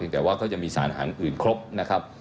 แต่ว่าก็จะมีสารอาหารอื่นครบ